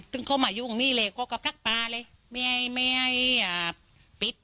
ซึ่งเข้ามาอยู่ข้างนี้เลยเขาก็ปลั๊กปลาเลยไม่ให้ไม่ให้อ่าปิด